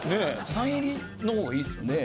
サイン入りの方がいいですよね。